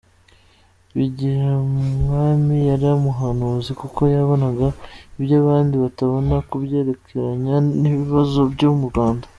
Bigirumwami yari umuhanuzi, kuko yabonaga iby’abandi batabona kubyerekeranye n’ibibazo byo mu Rwanda.